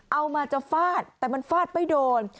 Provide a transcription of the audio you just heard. เอามาจะฟาดแต่มันฟาดไม่โดน